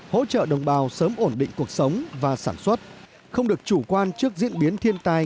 hỗ trợ đồng bào sớm ổn định cuộc sống và sản xuất không được chủ quan trước diễn biến thiên tai